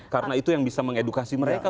karena itu yang bisa mengedukasi mereka